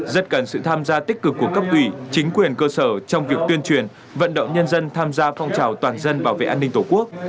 rất cần sự tham gia tích cực của cấp ủy chính quyền cơ sở trong việc tuyên truyền vận động nhân dân tham gia phong trào toàn dân bảo vệ an ninh tổ quốc